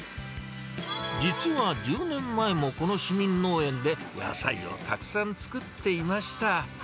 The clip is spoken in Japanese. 実は１０年前もこの市民農園で野菜をたくさん作っていました。